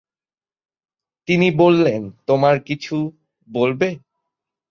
তিনি বললেন, তোমরা কিছু বলবে?